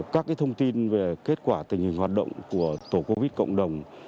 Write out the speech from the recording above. các thông tin về kết quả tình hình hoạt động của tổ covid cộng đồng